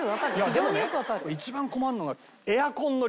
でもね一番困るのが。